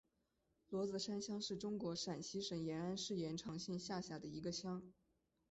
罗子山乡是中国陕西省延安市延长县下辖的一个乡。